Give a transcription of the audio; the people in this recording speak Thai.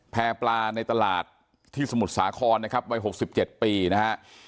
แพร่ปลาในตลาดที่สมุทรสาครนะครับวัย๖๗ปีนะฮะ